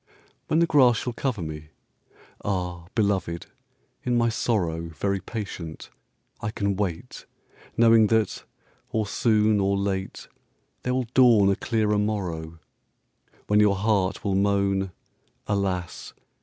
When the grass shall cover me! Ah, belovëd, in my sorrowVery patient, I can wait, Knowing that, or soon or late, There will dawn a clearer morrow:When your heart will moan "Alas!